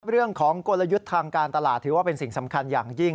กลยุทธ์ทางการตลาดถือว่าเป็นสิ่งสำคัญอย่างยิ่ง